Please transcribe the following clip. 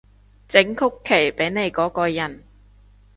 整曲奇畀你嗰個人